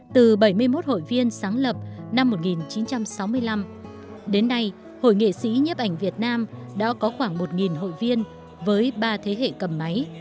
từ bảy mươi một hội viên sáng lập năm một nghìn chín trăm sáu mươi năm đến nay hội nghệ sĩ nhấp ảnh việt nam đã có khoảng một hội viên với ba thế hệ cầm máy